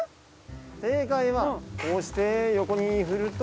正解はこうして横に振ると。